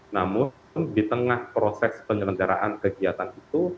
namun di tengah proses penyelenggaraan kegiatan itu